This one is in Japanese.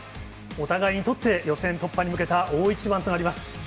お互いにとって予選突破に向けた大一番となります。